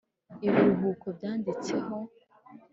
ibiruhuko byanditseho *